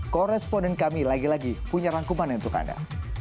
koresponden kami lagi lagi punya rangkuman untuk anda